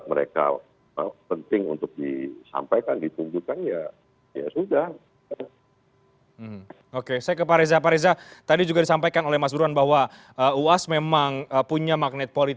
mengestergap para penduduk agama yaah kalau itu akan menjadiueller